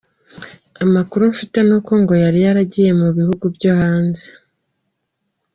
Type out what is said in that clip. Amakuru mfite ni uko ngo yari yaragiye mu bihugu byo hanze.